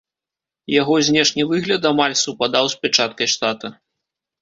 Яго знешні выгляд амаль супадаў з пячаткай штата.